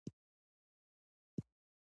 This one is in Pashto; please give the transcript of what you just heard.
غزني د افغانستان د بڼوالۍ برخه ده.